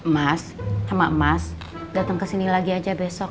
mas sama mas datang kesini lagi aja besok